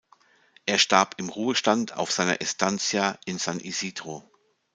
Er starb im Ruhestand auf seiner Estancia in San Isidro.